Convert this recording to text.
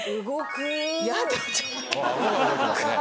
顎が動いてますね。